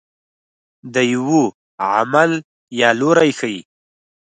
د یوه عمل یا لوری ښيي.